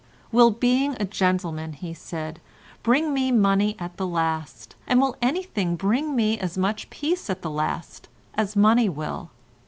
"Will being a gentleman," he said, "bring me money at the last, and will anything bring me as much peace at the last as money will?